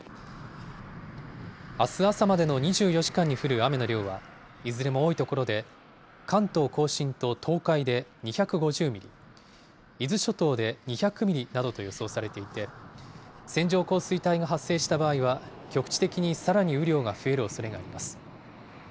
あす朝までの２４時間に降る雨の量は、いずれも多い所で、関東甲信と東海で２５０ミリ、伊豆諸島で２００ミリなどと予想されていて、線状降水帯が発生した場合には、局地的にさらに雨量が増えるおそれがあります。